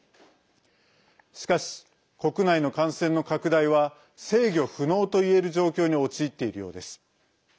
しかし、国内の感染の拡大は制御不能といえる状況に陥っているようです。